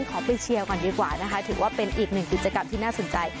ขอไปเชียร์ก่อนดีกว่านะคะถือว่าเป็นอีกหนึ่งกิจกรรมที่น่าสนใจ